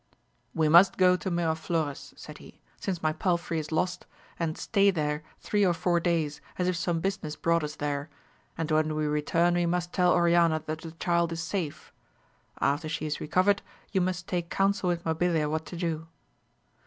We must go to Miraflores, said he, since my palfrey is lost, and stay there three or four days as if some business brought us there, and when we return we must tell Oriana that the child is safe ; after she is recovered, you must take counsel with Mabilia what to do.